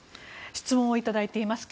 質問をいただいています。